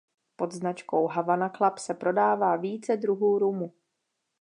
Pod značkou Havana Club se prodává více druhů rumu.